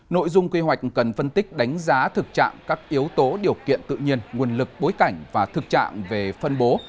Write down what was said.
nội dung quy hoạch cần phân tích đánh giá thực trạng các yếu tố điều kiện tự nhiên nguồn lực bối cảnh và thực trạng về phân bố